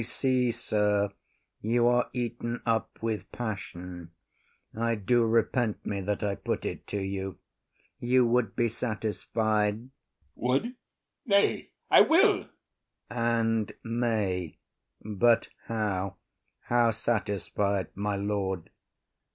IAGO. I see, sir, you are eaten up with passion. I do repent me that I put it to you. You would be satisfied? OTHELLO. Would? Nay, I will. IAGO. And may; but how? How satisfied, my lord?